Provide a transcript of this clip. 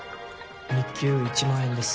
日給１万円です。